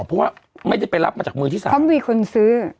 เพราะว่าไม่ได้ไปรับมาจากมือที่สามเพราะมีคนซื้อ